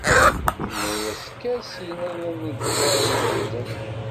Tenna-yas kker syin ay aneggar n medden!